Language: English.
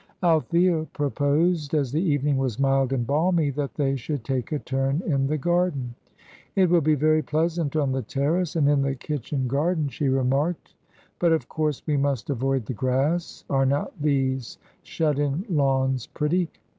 Althea proposed, as the evening was mild and balmy, that they should take a turn in the garden. "It will be very pleasant on the terrace, and in the kitchen garden," she remarked, "but, of course, we must avoid the grass. Are not these shut in lawns pretty?